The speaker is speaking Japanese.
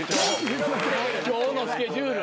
今日のスケジュール。